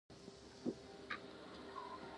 افغانستان د پکتیا لپاره مشهور دی.